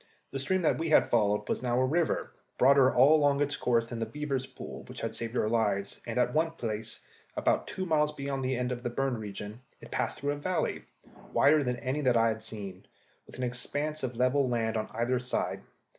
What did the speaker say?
The stream that we had followed was now a river, broader all along its course than the beavers' pool which had saved our lives, and at one place, about two miles beyond the end of the burned region, it passed through a valley, wider than any that I had seen, with an expanse of level land on either side.